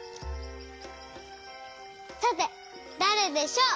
さてだれでしょう？